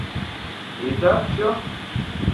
И так всё.